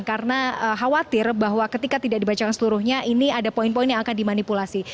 karena khawatir bahwa ketika tidak dibacakan seluruhnya ini ada poin poin yang akan dimanipulasi